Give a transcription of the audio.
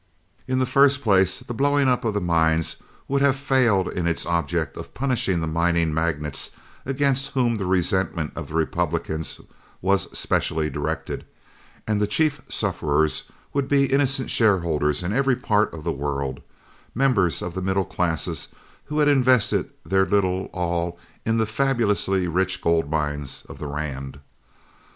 In the first place, the blowing up of the mines would have failed in its object of punishing the mining magnates against whom the resentment of the Republicans was specially directed, and the chief sufferers would be innocent shareholders in every part of the world, members of the middle classes who had invested their little all in the fabulously rich gold mines of the Rand.